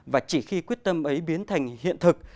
và chỉ khi quyết tâm ấy biến thành hiện thực